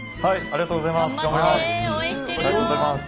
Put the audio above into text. ありがとうございます！